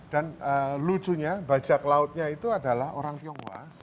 dan lucunya bajak lautnya itu adalah orang tionghoa